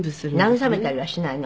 慰めたりはしないの？